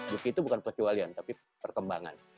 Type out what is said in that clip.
juki itu bukan kecuali tapi perkembangan